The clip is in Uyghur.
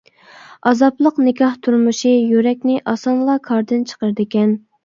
ئازابلىق نىكاھ تۇرمۇشى يۈرەكنى ئاسانلا كاردىن چىقىرىدىكەن.